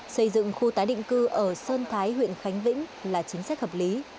xây dựng khu tái định cư ở sơn thái huyện khánh vĩnh là chính sách hợp lý